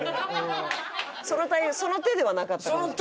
その手ではなかったかも。